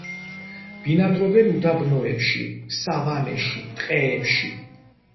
ბინადრობენ უდაბნოებში, სავანებში ტყეებში.